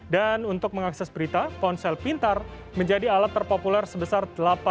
dan untuk mengakses berita ponsel pintar menjadi alat terpopuler sebesar delapan puluh lima